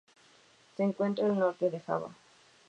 Se encuentra al norte de Java.